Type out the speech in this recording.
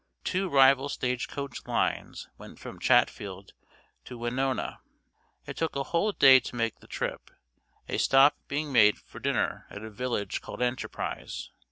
Two rival stage coach lines went from Chatfield to Winona. It took a whole day to make the trip, a stop being made for dinner at a village called Enterprise.